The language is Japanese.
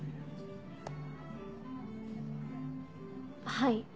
はい。